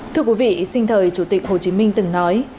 thưa quý vị sinh thời chủ tịch hồ chí minh từng nói